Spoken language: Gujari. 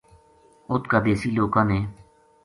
اُت کا دیسی لوکاں نے